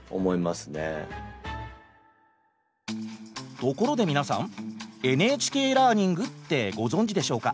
ところで皆さんＮＨＫラーニングってご存じでしょうか？